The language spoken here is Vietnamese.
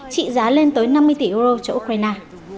trị giá lên tới năm mươi tỷ euro cho ukraine